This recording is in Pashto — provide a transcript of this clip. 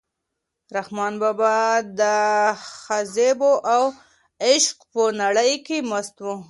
رحمان بابا د جذبو او عشق په نړۍ کې مست و.